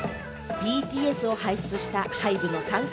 ＢＴＳを輩出したＨＹＢＥの傘下